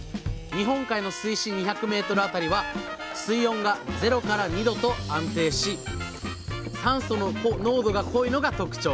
日本海の水深２００メートル辺りは水温が０２度と安定し酸素の濃度が濃いのが特徴。